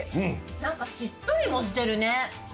何かしっとりもしてるね。